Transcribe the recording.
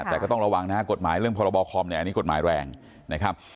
แต่ก็ต้องระวังนะฮะกฎหมายเรื่องพรบคอมเนี่ยอันนี้กฎหมายแรงนะครับ